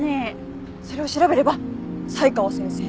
それを調べれば才川先生